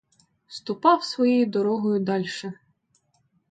Ступав своєю дорогою дальше.